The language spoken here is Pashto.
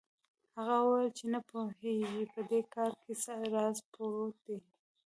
هغه وویل چې نه پوهېږي په دې کار کې څه راز پروت دی.